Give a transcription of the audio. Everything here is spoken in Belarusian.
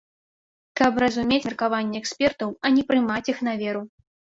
Каб разумець меркаванні экспертаў, а не прымаць іх на веру.